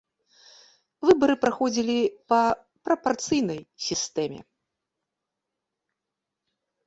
Выбары праходзілі па прапарцыйнай сістэме.